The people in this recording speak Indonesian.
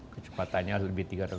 kecepatannya lebih tiga ratus km per jam